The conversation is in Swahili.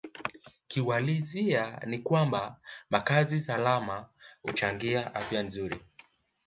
Kiuhalisia ni kwamba makazi salama huchangia afya nzuri